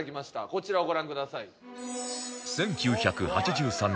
こちらをご覧ください。